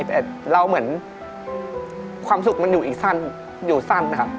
แต่เราเหมือนความสุขมันอยู่อีกสั้นอยู่สั้นนะครับ